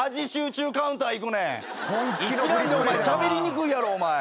一蘭でしゃべりにくいやろお前。